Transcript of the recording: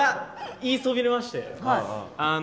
言いそびれまして。